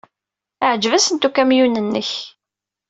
Yeɛjeb-asent ukamyun-nnek.